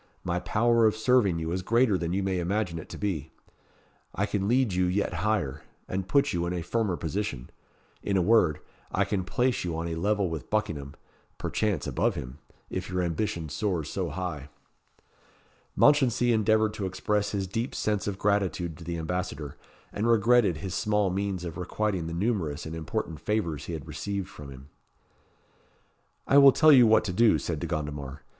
My power of serving you is greater than you may imagine it to be. I can lead you yet higher and put you in a firmer position. In a word, I can place you on a level with Buckingham, perchance above him, if your ambition soars so high." Mounchensey endeavoured to express his deep sense of gratitude to the ambassador, and regretted his small means of requiting the numerous and important favours he had received from him. "I will tell you what to do," said De Gondomar.